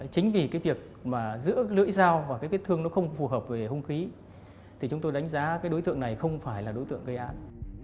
chính vì cái việc mà giữa lưỡi dao và cái vết thương nó không phù hợp với hung khí thì chúng tôi đánh giá cái đối tượng này không phải là đối tượng gây án